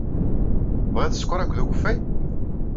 Tebɣiḍ sskeṛ akked ukeffay?